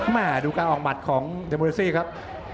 มาดูการออกหมัดของเจมมุญี่ปุ่นครับ